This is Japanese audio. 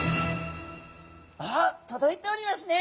あっ届いておりますね！